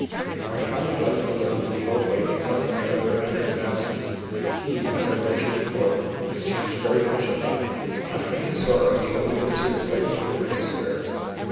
Our family life goes on in the old way except for my brother Andrew's absence. He, as I wrote you before, has changed very much of late. After his sorrow he only this year quite recovered his spirits.